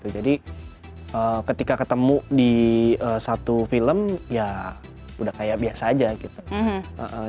jadi ketika ketemu di satu film ya udah kayak biasa aja gitu